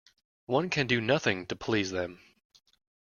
One can do nothing to please them.